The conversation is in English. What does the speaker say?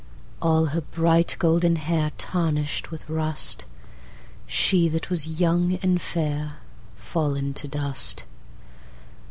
All her bright golden hairTarnished with rust, She that was young and fairFallen to dust.